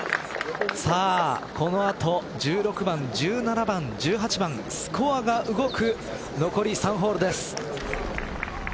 この後１６番、１７番、１８番スコアが動く残り３ホールです。